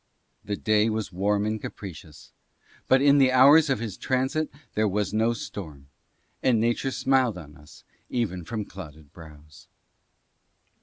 The day was warm and capricious, but in the hours of his transit there was no storm, and nature smiled on us even from clouded brows.